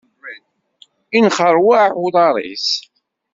Inxeṛwaɛ uḍaṛ-is.